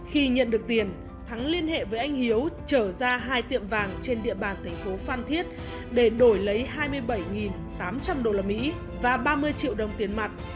khi nhận được tiền thắng liên hệ với anh hiếu chở ra hai tiệm vàng trên địa bàn thành phố phan thiết để đổi lấy hai mươi bảy tám trăm linh usd và ba mươi triệu đồng tiền mặt